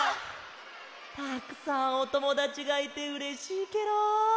たくさんおともだちがいてうれしいケロ！